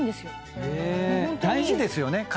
大事ですよね。